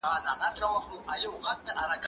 ته ولي شګه پاکوې!.